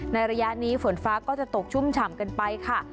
ระยะนี้ฝนฟ้าก็จะตกชุ่มฉ่ำกันไปค่ะ